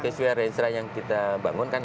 sesuai range line yang kita bangunkan